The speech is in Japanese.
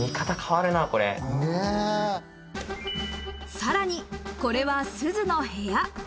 さらに、これは、すずの部屋。